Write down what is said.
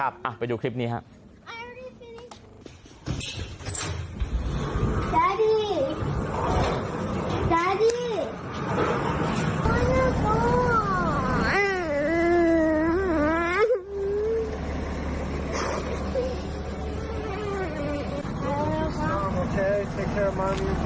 ไปดูคลิปนี้ครับ